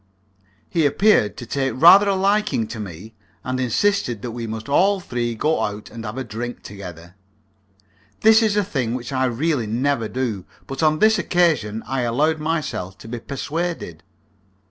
He appeared to take rather a liking to me, and insisted that we must all three go out and have a drink together. This is a thing which I really never do, but on this occasion I allowed myself to be persuaded.